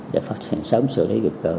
để phát hiện sớm xử lý dịch cơ